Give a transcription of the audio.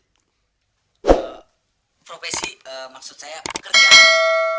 profesi maksud saya pekerjaan